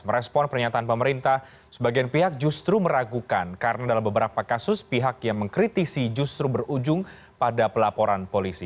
merespon pernyataan pemerintah sebagian pihak justru meragukan karena dalam beberapa kasus pihak yang mengkritisi justru berujung pada pelaporan polisi